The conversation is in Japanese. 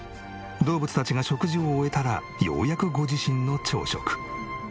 動物たちが食事を終えたらようやくご自身の朝食。